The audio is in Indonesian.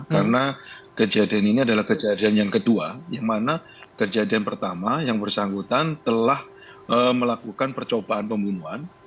karena kejadian ini adalah kejadian yang kedua yang mana kejadian pertama yang bersangkutan telah melakukan percobaan pembunuhan